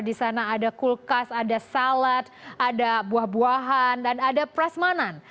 di sana ada kulkas ada salad ada buah buahan dan ada prasmanan